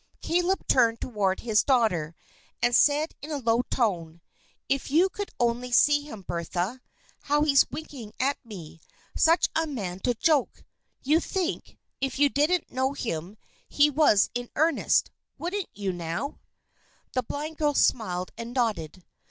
Caleb turned toward his daughter, and said in a low tone, "If you could only see him, Bertha, how he's winking at me. Such a man to joke! You'd think, if you didn't know him, he was in earnest wouldn't you now?" The blind girl smiled and nodded.